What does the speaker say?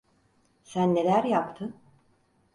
Sen neler yaptın?